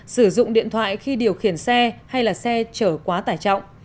sử dụng điện thoại khi điều khiển xe hay là xe chở quá tải trọng